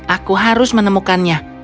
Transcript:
aku harus menemukannya